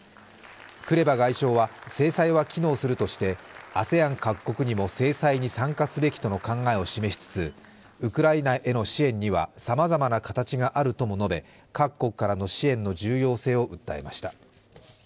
クレバ外相は制裁は機能するとして、ＡＳＥＡＮ各国にも制裁に参加すべきとの考えを示しつつ、ウクライナへの支援にはさまざまな形があるとも述べ各国からの支援の重要性を訴えました。